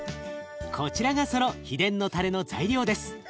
こちらがその秘伝のたれの材料です。